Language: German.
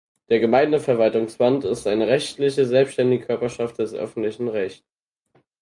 Der Gemeindeverwaltungsverband ist eine rechtlich selbstständige Körperschaft des öffentlichen Rechts.